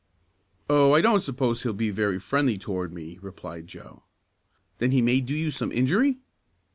"Oh, I don't suppose he'll be very friendly toward me," replied Joe. "Then he may do you some injury."